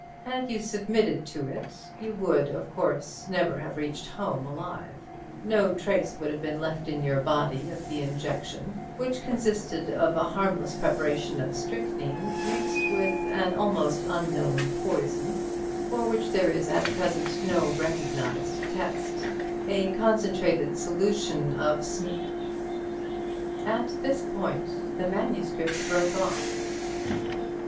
Had you submitted to it, you would, of course, never have reached home alive. No trace would have been left in your body of the injection, which consisted of a harmless preparation of strychnine, mixed with an almost unknown poison, for which there is at present no recognized test, a concentrated solution of sn— At this point the manuscript broke off.